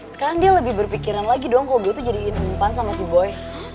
sekarang dia lebih berpikiran lagi dong kalo gue tuh jadiin impan sama si boy